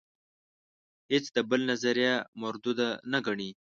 هیڅ د بل نظریه مرودوده نه ګڼي.